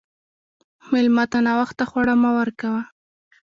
مېلمه ته ناوخته خواړه مه ورکوه.